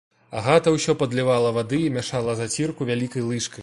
Агата ўсё падлівала вады і мяшала зацірку вялікай лыжкай.